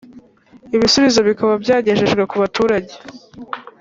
ibisubizo bikaba byagejejwe ku baturage